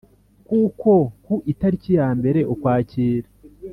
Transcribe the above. kuko ku itariki ya mbere ukwakira